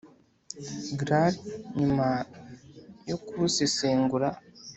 Graal nyuma yo kubusesengura